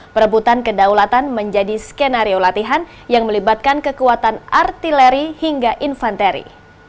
perebutan kedaulatan menjadi skenario latihan yang melibatkan kekuatan artileri hingga infanteri